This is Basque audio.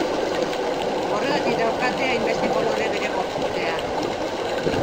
Horregatik daukate hainbeste kolore bere gorputzean.